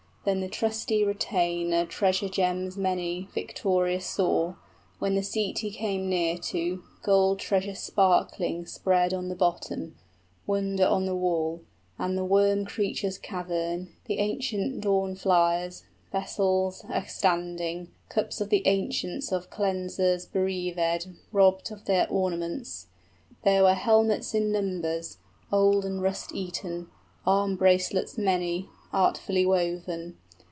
5 Then the trusty retainer treasure gems many {The dragon's den.} Victorious saw, when the seat he came near to, Gold treasure sparkling spread on the bottom, Wonder on the wall, and the worm creature's cavern, The ancient dawn flier's, vessels a standing, 10 Cups of the ancients of cleansers bereavèd, Robbed of their ornaments: there were helmets in numbers, Old and rust eaten, arm bracelets many, Artfully woven.